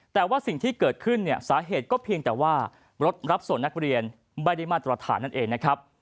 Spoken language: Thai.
แต่ว่าสิ่งที่เกิดขึ้นเนี่ยสาเหตุก็เพียงแต่ว่ารถรับส่วนนักเรียนไม่ได้มาตรฐานนั่นเองนะครับ